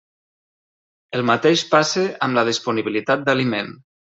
El mateix passa amb la disponibilitat d'aliment.